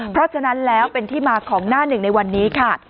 เพราะฉะนั้นแล้วเป็นที่มาของหน้าหนึ่งในวันนี้ค่ะ